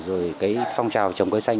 rồi cái phong trào trồng cây xanh